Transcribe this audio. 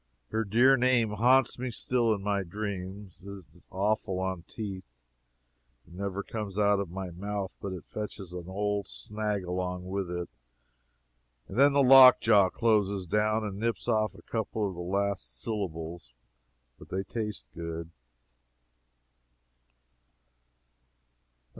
Her dear name haunts me still in my dreams. It is awful on teeth. It never comes out of my mouth but it fetches an old snag along with it. And then the lockjaw closes down and nips off a couple of the last syllables but they taste good.